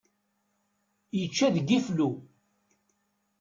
Ičča deg iflu.